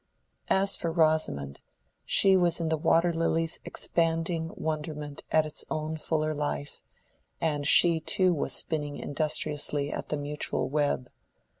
As for Rosamond, she was in the water lily's expanding wonderment at its own fuller life, and she too was spinning industriously at the mutual web.